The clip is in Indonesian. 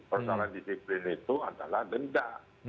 persoalan disiplin itu adalah denda